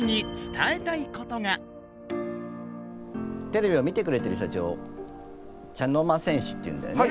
テレビを見てくれてる人たちを茶の間戦士っていうんだよね？